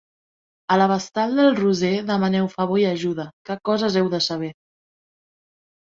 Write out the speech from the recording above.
A la vestal del Roser demaneu favor i ajuda, que coses heu de saber.